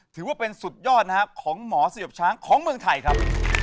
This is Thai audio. ถือว่าเป็นสุดยอดนะครับของหมอเสียบช้างของเมืองไทยครับ